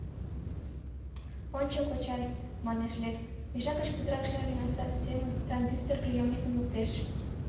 — Ончо, кочай, — манеш Лев, мешак гыч путырак шерге наста семын транзистор приёмникым луктеш.